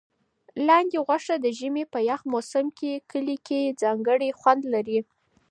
لاندي غوښه د ژمي په یخ موسم کې کلي کې ځانګړی خوند لري.